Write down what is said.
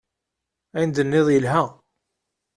Ayen-d-tenniḍ yelha.